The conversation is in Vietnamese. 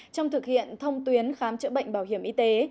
trong thực hiện thông tuyến khám chữa bệnh bảo hiểm y tế